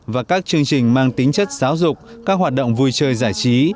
và các chương trình mang tính chất giáo dục các hoạt động vui chơi giải trí